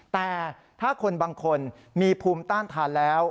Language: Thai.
แต่ถ้าคนบางคนมีภูมิต้านทานแล้ว